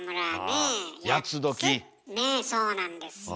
ねえそうなんですよ。